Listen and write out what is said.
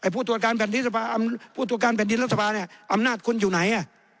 ผู้ตรวจการแผ่นดินรัฐษาอำนาจคุณอยู่ไหน